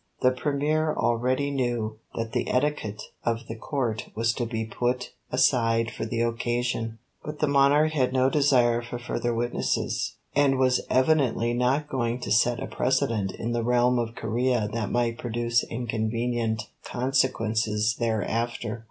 The Premier already knew that the etiquette of the Court was to be put aside for the occasion; but the monarch had no desire for further witnesses, and was evidently not going to set a precedent in the realm of Corea that might produce inconvenient consequences thereafter.